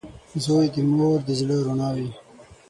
• زوی د مور د زړۀ رڼا وي.